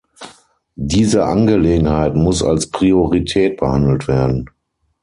Diese Angelegenheit muss als Priorität behandelt werden.